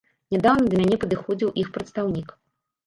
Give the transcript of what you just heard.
Нядаўна да мяне падыходзіў іх прадстаўнік.